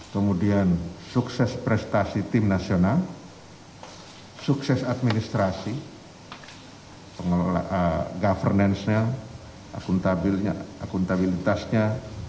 kemudian sukses prestasi tim nasional sukses administrasi pengelolaan governance nya akuntabilitasnya